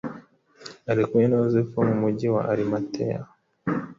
Ari kumwe na Yosefu wo mu mugi wa Arimateya,